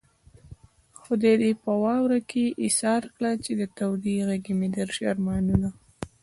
خدای دې په واورو کې ايسار کړه چې د تودې غېږې مې درشي ارمانونه